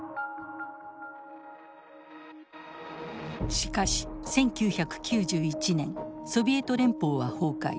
しかし１９９１年ソビエト連邦は崩壊。